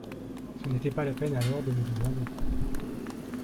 Ce n’était pas la peine alors de me demander…